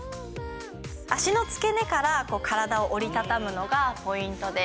脚の付け根から体を折り畳むのがポイントです。